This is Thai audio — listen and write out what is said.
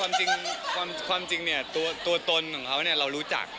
ไม่มีแล้วครับคือความจริงผมจริงตัวตนของเขาผมรู้จัก